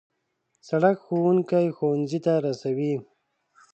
سړک ښوونکي ښوونځي ته رسوي.